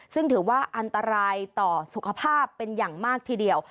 ซึ่งถือว่าอันตรายต่อสุขภาพเป็นอย่างมากทีเดียว